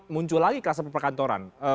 muncul lagi kluster perkantoran